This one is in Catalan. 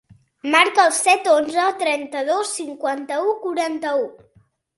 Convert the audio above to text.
Marca el set, onze, trenta-dos, cinquanta-u, quaranta-u.